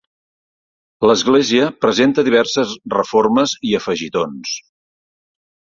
L’església presenta diverses reformes i afegitons.